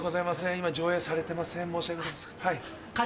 今上映されてません。